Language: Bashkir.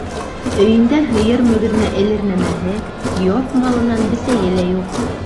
Өйөндә һыйыр мөгөҙөнә элер нәмәһе, йорт малынан бесәйе лә юҡ.